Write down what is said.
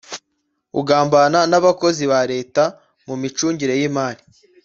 Ugambana n’abakozi ba Leta mu micungire y’imari